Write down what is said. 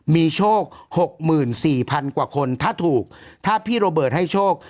มีโชคหกหมื่นสี่พันกว่าคนถ้าถูกถ้าพี่โรเบิร์ตให้โชค